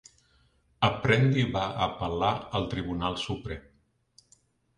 Apprendi va apel·lar al Tribunal Suprem.